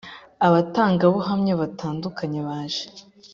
abatangabuhamya batandukanye baje